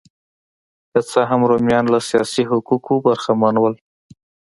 که څه هم رومیان له سیاسي حقونو برخمن وو